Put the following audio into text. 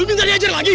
lu minta diajar lagi